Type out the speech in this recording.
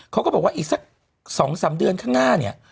เขาก็บอกว่าอีกสัก๒๓เดือนข้างหน้าเนี่ย